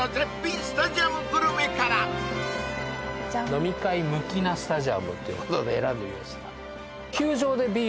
「飲み会向きなスタジアム」ということで選んでみました